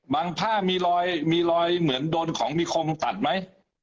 มันผ้ามีรอยเหมือนโดนของมีคมตัดไหม